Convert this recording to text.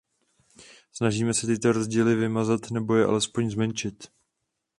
Snažíme se tyto rozdíly vymazat, nebo je alespoň zmenšit.